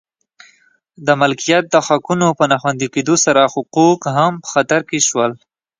د مالکیت حقونو په نا خوندي کېدو سره حقوق هم په خطر کې شول